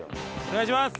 お願いします！